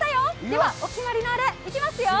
では、お決まりのあれ、いきますよ。